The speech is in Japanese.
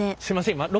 すいません。